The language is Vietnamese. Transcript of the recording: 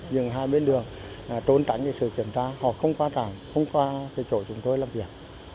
nhưng hai bên đường trốn tránh cái sự kiểm tra họ không qua trạng không qua cái chỗ chúng tôi làm việc